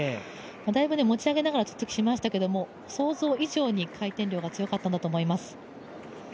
だいぶ持ち上げながらつっつきしましたけれども、想像以上に回転量が強かったんだと思います。